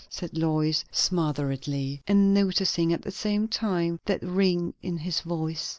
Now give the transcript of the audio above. said Lois smotheredly, and noticing at the same time that ring in his voice.